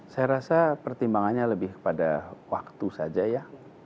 saya rasa pertimbangannya lebih kepada waktu saja ya